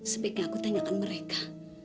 sebaiknya aku tanyakan mereka